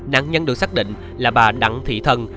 nạn nhân được xác định là bà đặng thị thân